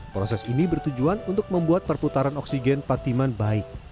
proses ini bertujuan untuk membuat perputaran oksigen patiman baik